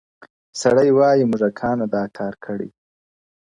سړي وایې موږکانو دا کار کړﺉ,